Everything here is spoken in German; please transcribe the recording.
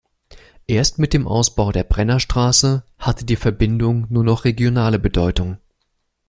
Erst mit dem Ausbau der Brennerstraße hatte die Verbindung nur noch regionale Bedeutung.